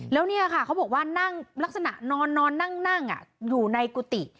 แล้วเนี่ยค่ะเขาบอกว่านั่งลักษณะนอนนั่งอยู่ในกุฏิ